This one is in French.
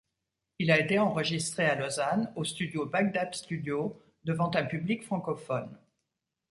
Il a été enregistré à Lausanne, au studio Bagdad Studio, devant un public francophone.